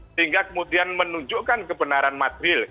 sehingga kemudian menunjukkan kebenaran material